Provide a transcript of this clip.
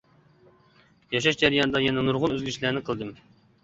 ياشاش جەريانىدا يەنە نۇرغۇن ئۆزگىرىشلەرنى قىلدىم.